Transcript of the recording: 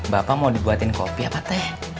bapak mau dibuatin kopi apa teh